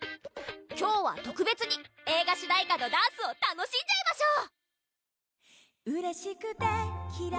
今日は特別に映画主題歌のダンスを楽しんじゃいましょう！